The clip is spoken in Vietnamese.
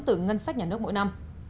từ ngân sách nhà nước mỗi năm